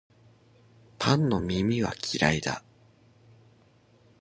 パンの耳は嫌いだ